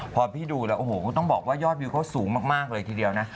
พอพี่ดูแล้วโอ้โหต้องบอกว่ายอดวิวเขาสูงมากเลยทีเดียวนะ